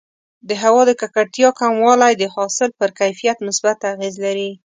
د هوا د ککړتیا کموالی د حاصل پر کیفیت مثبت اغېز لري.